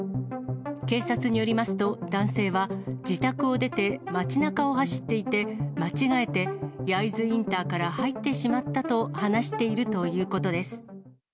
警察によりますと、男性は自宅を出て街なかを走っていて、間違えて、焼津インターから入ってしまったと話しているということです。